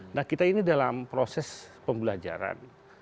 nah kita ini dalam proses pembelajaran